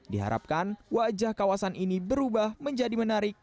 diharapkan wajah kawasan ini berubah menjadi menarik